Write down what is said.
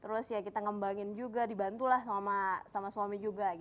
terus ya kita ngembangin juga dibantu lah sama suami juga gitu